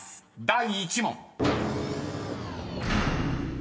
第１問］